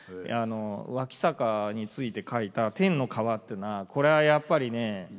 脇坂について書いた「貂の皮」っていうのはこれはやっぱりね